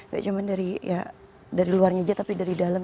gak cuma dari ya dari luarnya aja tapi dari dalam